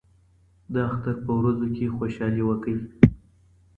د اختر په ورځو کې خوشحالي وکړئ.